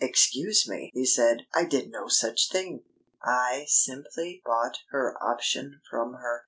"Excuse me," he said, "I did no such thing. I simply bought her option from her.